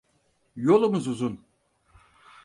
Yolumuz uzun.